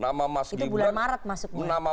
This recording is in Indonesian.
nama mas gibran itu bulan maret masuknya